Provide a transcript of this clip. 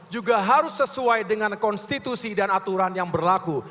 juga harus sesuai dengan konstitusi dan aturan yang berlaku